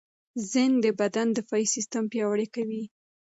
زېنک د بدن دفاعي سیستم پیاوړی کوي.